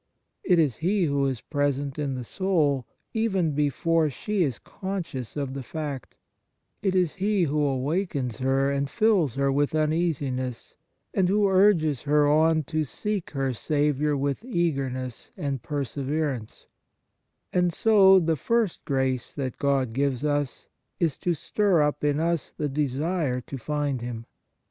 It is He who is present in the soul, even before she is conscious of the fact ; it is He who awakens her and fills her with uneasiness, and who urges her on to seek her Saviour with eagerness and perseverance ; and so the first grace that God gives us is to 39 On Piety stir'up in us the desire to find Him.